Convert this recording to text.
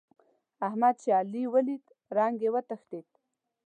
احمد چې علي وليد؛ رنګ يې وتښتېد.